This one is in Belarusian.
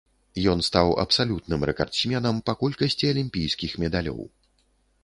Ён стаў абсалютным рэкардсменам па колькасці алімпійскіх медалёў.